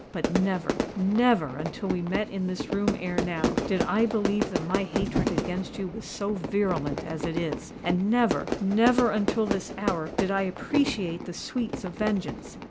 But, never—never, until we met in this room ere now, did I believe that my hatred against you was so virulent as it is. And never—never until this hour did I appreciate the sweets of vengeance.